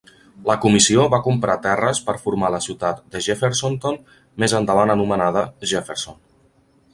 La comissió va comprar terres per formar la ciutat de Jeffersonton, més endavant anomenada Jefferson.